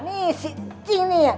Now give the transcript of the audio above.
nih si cik nih ya